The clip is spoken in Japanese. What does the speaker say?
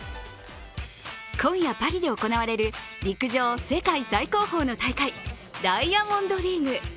今夜、パリで行われる陸上世界最高峰の戦いダイヤモンドリーグ。